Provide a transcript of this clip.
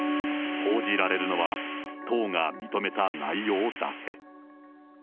報じられるのは、党が認めた内容だけ。